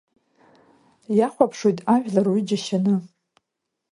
Иахәаԥшуеит ажәлар уи џьашьаны…